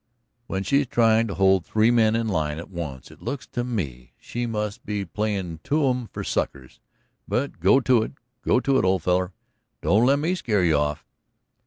"When she's trying to hold three men in line at once it looks to me she must be playin' two of 'em for suckers. But go to it, go to it, old feller; don't let me scare you off."